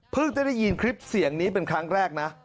จะได้ยินคลิปเสียงนี้เป็นครั้งแรกนะ